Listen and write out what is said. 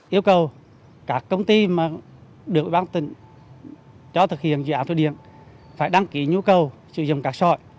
yêu cầu các công ty được ủy ban tỉnh cho thực hiện dự án thủy điện phải đăng ký nhu cầu sử dụng cát sỏi